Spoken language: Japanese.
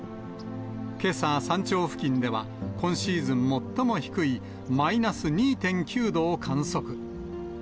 けさ、山頂付近では今シーズン最も低いマイナス２．９度を観測。